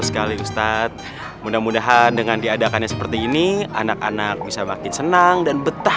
sekali ustadz mudah mudahan dengan diadakannya seperti ini anak anak bisa makin senang dan betah